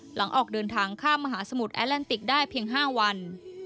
หลังออกเดินทางข้ามมหาสมุทรแอลติกได้เพียง๕วัน